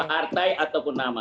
partai ataupun nama